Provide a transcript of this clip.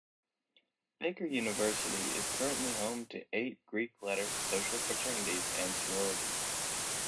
Baker University is currently home to eight Greek letter social fraternities and sororities.